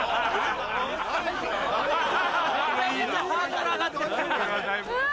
・ハードル上がってる・何？